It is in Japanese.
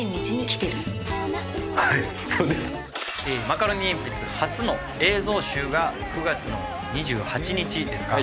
マカロニえんぴつ初の映像集が９月の２８日ですか？